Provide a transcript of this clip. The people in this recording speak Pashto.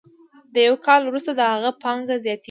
یو کال وروسته د هغه پانګه زیاتېږي